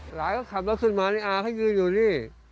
หลานก็ขับแล้วขึ้นมาอาเขายืนอยู่นี่